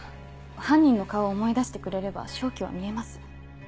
犯人の顔を思い出してくれれば勝機は見えます。